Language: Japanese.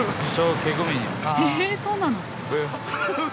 へえそうなの。